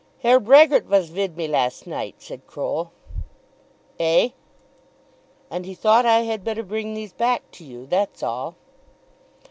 "Herr Brehgert vas vid me last night," said Croll. "Eh!" "And he thought I had better bring these back to you. That's all."